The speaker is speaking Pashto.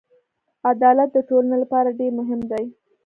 عدالت د ټولنې لپاره ډېر مهم دی.